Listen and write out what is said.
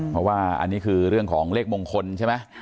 เพราะว่าอันนี้คือเรื่องของเลขมงคลใช่ไหม